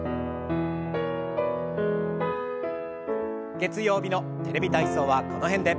月曜日の「テレビ体操」はこの辺で。